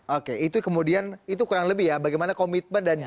oke itu kemudian itu kurang lebih ya bagaimana komitmen dan juga